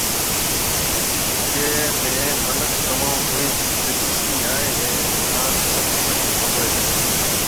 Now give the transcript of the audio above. جڪيَ ۾ منک تموم گھڻِي دلچسپِي آئيَ هيَ هان ست سنگ ھونڀڙيَ هيَ